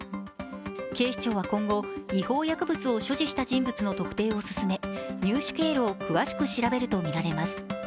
警視庁は今後、違法薬物を所持した人物の特定を進め、入手経路を詳しく調べるとみられます。